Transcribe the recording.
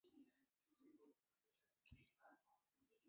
主要城镇为圣康坦。